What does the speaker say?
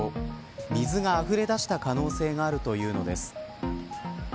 水があふれだした可能性があるというのです。